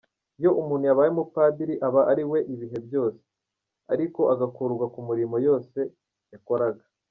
Iyo umuntu yabaye umupadiri aba ariwe ibihe byose, ariko agakurwa ku mirimo yose yakoraga.